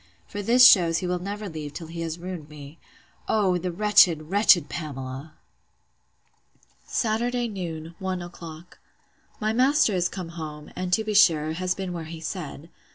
for this shews he will never leave till he has ruined me—O, the wretched, wretched Pamela! Saturday noon, one o'clock. My master is come home; and, to be sure, has been where he said.